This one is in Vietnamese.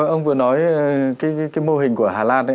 ông vừa nói cái mô hình của hà lan